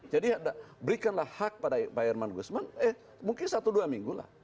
jadi berikanlah hak pada pak irman guzman eh mungkin satu dua minggu lah